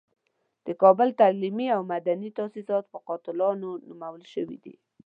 د کابل تعلیمي او مدني تاسیسات په قاتلانو نومول شوي دي.